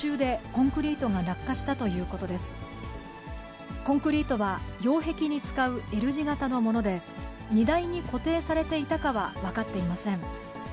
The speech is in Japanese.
コンクリートは擁壁に使うＬ字型のもので、荷台に固定されていたかは分かっていません。